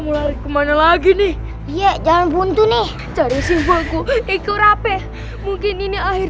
mulai ke mana lagi nih ya jangan buntu nih jadi simbolku ikut rape mungkin ini akhir